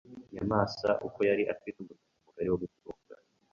Nyamwasa uko ari, afite umuryango mugari wo gutunga.